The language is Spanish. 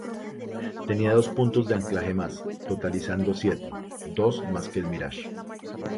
Tenía dos puntos de anclaje más, totalizando siete —dos más que el Mirage—.